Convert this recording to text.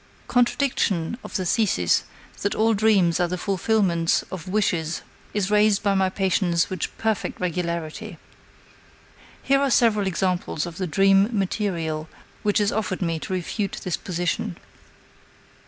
Contradiction of the thesis that all dreams are the fulfillments of wishes is raised by my patients with perfect regularity. Here are several examples of the dream material which is offered me to refute this position.